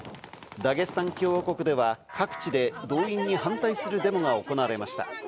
タゲスタン共和国では各地で動員に反対するデモが行われました。